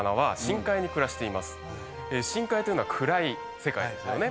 深海というのは暗い世界ですよね。